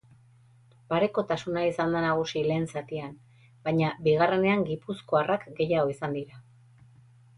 Parekotasuna izan da nagusi lehen zatian, baina bigarrenean gipuzkoarrak gehiago izan dira.